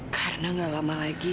karena gak lama lagi